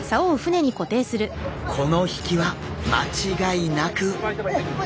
この引きは間違いなく！